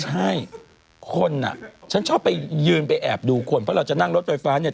ใช่คนอ่ะฉันชอบไปยืนไปแอบดูคนเพราะเราจะนั่งรถไฟฟ้าเนี่ย